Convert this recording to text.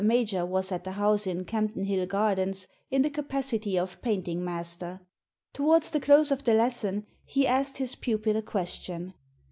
Major was at the house in Campden Hill Gardens in the capacity of painting master. Towards the close of the lesson he asked his pupil a question.